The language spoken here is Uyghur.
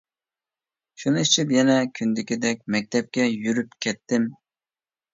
شۇنى ئىچىپ يەنە كۈندىكىدەك مەكتەپكە يۈرۈپ كەتتىم.